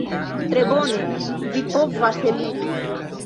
Tre bone: vi povas eliri.